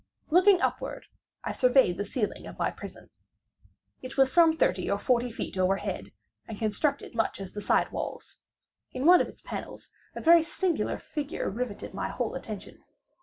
Looking upward, I surveyed the ceiling of my prison. It was some thirty or forty feet overhead, and constructed much as the side walls. In one of its panels a very singular figure riveted my whole attention.